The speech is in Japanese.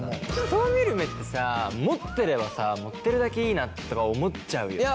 人を見る目ってさ持ってればさ持ってるだけいいなとか思っちゃうよね。